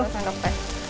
dua sendok teh